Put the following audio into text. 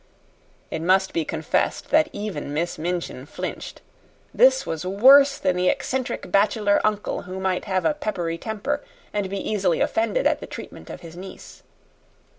It must be confessed that even Miss Minchin flinched. This was worse than the eccentric bachelor uncle who might have a peppery temper and be easily offended at the treatment of his niece.